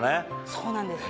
そうなんです。